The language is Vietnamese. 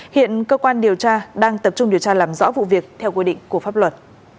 hiện cơ quan điều tra đang tập trung điều tra làm rõ vụ việc theo quy định của pháp luật